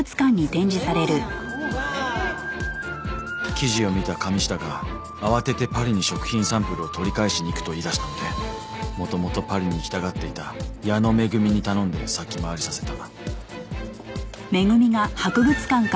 記事を見た神下が慌ててパリに食品サンプルを取り返しに行くと言い出したので元々パリに行きたがっていた矢野恵に頼んで先回りさせた。